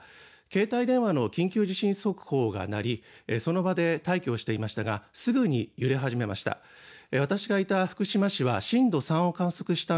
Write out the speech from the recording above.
携帯電話の緊急地震速報が鳴りその場で待機をしていましたがすぐに揺れ始めました。